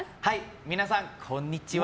皆さん、こんにちは。